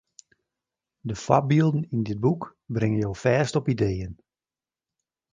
De foarbylden yn dit boek bringe jo fêst op ideeën.